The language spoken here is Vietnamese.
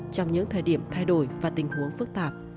trong những thời điểm thay đổi và tình huống phức tạp